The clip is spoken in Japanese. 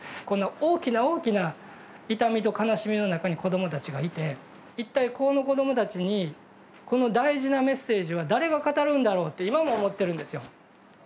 この大きな大きな痛みと悲しみの中に子どもたちがいて一体この子どもたちにこの大事なメッセージは誰が語るんだろうって今も思ってるんですよ。